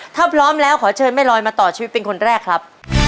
ถ้าพร้อมแล้วขอเชิญแม่ลอยมาต่อชีวิตเป็นคนแรกครับ